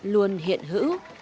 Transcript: luôn hiện hữu